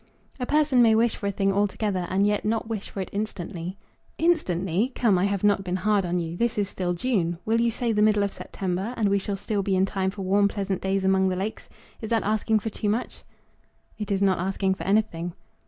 "A person may wish for a thing altogether, and yet not wish for it instantly." "Instantly! Come; I have not been hard on you. This is still June. Will you say the middle of September, and we shall still be in time for warm pleasant days among the lakes? Is that asking for too much?" "It is not asking for anything."